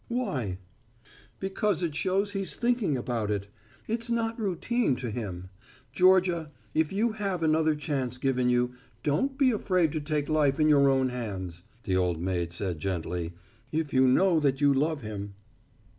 "Why?" "Because it shows he's thinking about it. It's not routine to him. Georgia, if you have another chance given you, don't be afraid to take life in your own hands," the old maid said gently, "if you know that you love him."